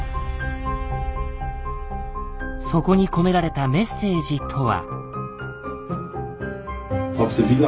そこに込められたメッセージとは？